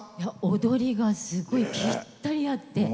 踊りがすごいぴったり合って。